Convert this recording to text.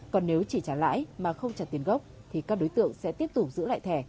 còn nếu chỉ trả lãi mà không trả tiền gốc thì các đối tượng sẽ tiếp tục giữ lại thẻ